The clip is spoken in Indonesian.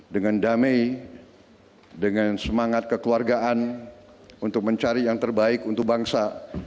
dengan damai dengan semangat kekeluargaan untuk mencari yang terbaik untuk bangsa